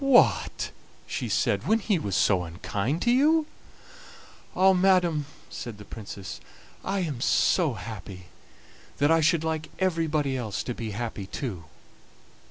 "What!" she said, "when he was so unkind to you?" "Ah! madam," said the Princess, "I am so happy that I should like everybody else to be happy too."